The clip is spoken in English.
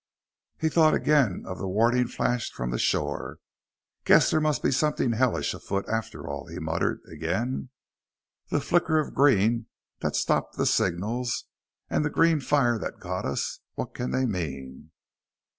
He thought again of the warning flashed from the shore. "Guess there must be something hellish afoot after all," he muttered again. "The flicker of green that stopped the signals, and the green fire that got us what can they mean?"